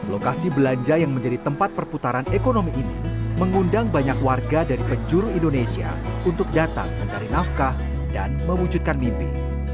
lokasi belanja yang menjadi tempat perputaran ekonomi ini mengundang banyak warga dari penjuru indonesia untuk datang mencari nafkah dan mewujudkan mimpi